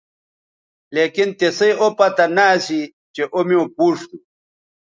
لیکن تسئ او پتہ نہ اسی چہء او میوں پوچ تھو